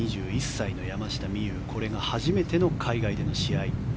２１歳の山下美夢有これが初めての海外での試合。